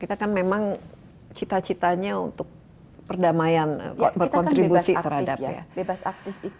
kita kan bebas aktif ya bebas aktif kita kan memang cita citanya untuk perdamaian berkontribusi terhadap ya